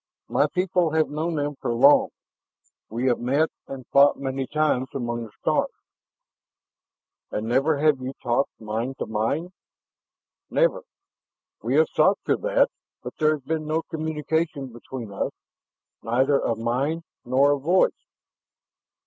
"My people have known them for long. We have met and fought many times among the stars." "And never have you talked mind to mind?" "Never. We have sought for that, but there has been no communication between us, neither of mind nor of voice."